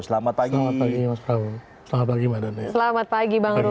selamat pagi selamat pagi mas rul selamat pagi bang rul